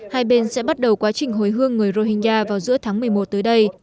hai bên sẽ bắt đầu quá trình hồi hương người rohingda vào giữa tháng một mươi một tới đây